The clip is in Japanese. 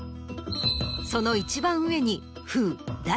その一番上に。